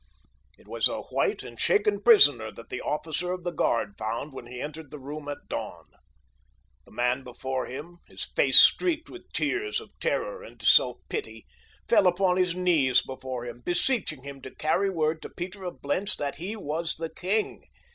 It was a white and shaken prisoner that the officer of the guard found when he entered the room at dawn. The man before him, his face streaked with tears of terror and self pity, fell upon his knees before him, beseeching him to carry word to Peter of Blentz, that he was the king.